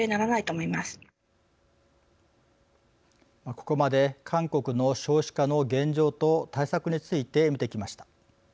ここまで韓国の少子化の現状と対策について見てきました。